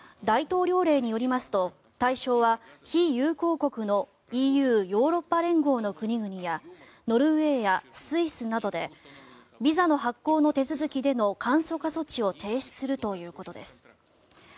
大統領令によりますと対象は非友好国のＥＵ・ヨーロッパ連合の国々やノルウェーやスイスなどでビザの発行の手続きでの簡素化措置を停止するということです。